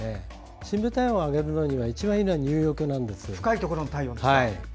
深部体温を上げるのに一番いいのは入浴なんです。